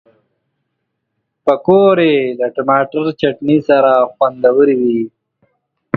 پکورې له ټماټر چټني سره خوندورې وي